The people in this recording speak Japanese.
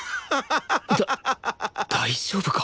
だ大丈夫か？